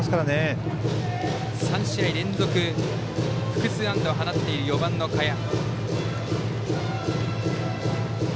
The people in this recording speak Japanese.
３試合連続複数安打を放っている４番の賀谷。